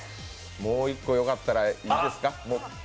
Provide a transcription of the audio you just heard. もう１個、よかったらいいですか？